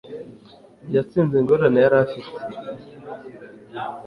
Yatsinze ingorane yari afite